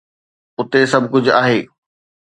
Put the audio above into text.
اتي سڀ ڪجهه آهي.